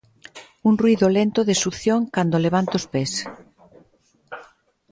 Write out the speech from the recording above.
Un ruído lento de succión cando levanto os pés.